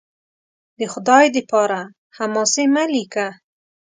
د خدای دپاره! حماسې مه لیکه